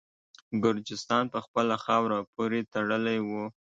ګرجستان په خپله خاوره پوري تړلی وو.